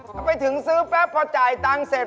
ก็ไปถึงซื้อปั๊บพอจ่ายตังค์เสร็จ